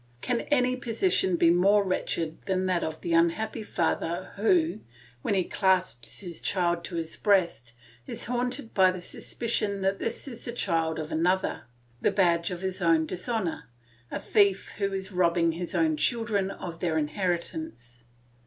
Can any position be more wretched than that of the unhappy father who, when he clasps his child to his breast, is haunted by the suspicion that this is the child of another, the badge of his own dishonour, a thief who is robbing his own children of their inheritance.